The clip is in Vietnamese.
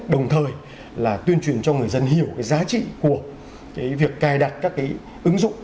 đồng thời là tuyên truyền cho người dân hiểu giá trị của cái việc cài đặt các cái ứng dụng